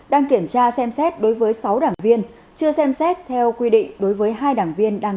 đang kiểm tra xem xét đối với sáu đảng viên chưa xem xét theo quy định đối với hai đảng viên đang